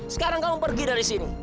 sekarang kamu pergi dari sini